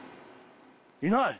・いない？